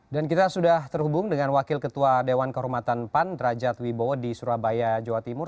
dan kita sudah terhubung dengan wakil ketua dewan kehormatan pan derajat wibowo di surabaya jawa timur